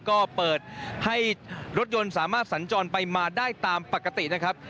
ก็เปิดให้รถยนต์สามารถสัญจรไปมาได้ตามปกตินะครับ